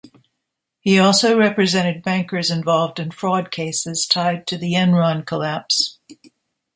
He also represented bankers involved in fraud cases tied to the Enron collapse.